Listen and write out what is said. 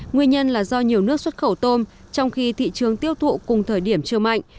nguyên nhân là do nhiều nước xuất khẩu tôm trong khi thị trường tiêu thụ cùng thời điểm chưa mạnh